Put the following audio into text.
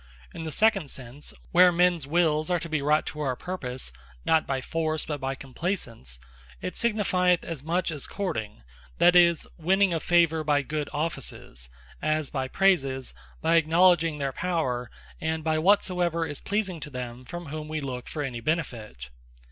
In the second sense, where mens wills are to be wrought to our purpose, not by Force, but by Compleasance, it signifieth as much as Courting, that is, a winning of favour by good offices; as by praises, by acknowledging their Power, and by whatsoever is pleasing to them from whom we look for any benefit.